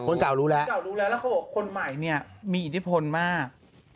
คนเก่ารู้แล้วแล้วคนใหม่เนี่ยมีอินทธิพลมาก